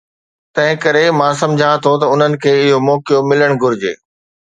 تنهنڪري مان سمجهان ٿو ته انهن کي اهو موقعو ملڻ گهرجي.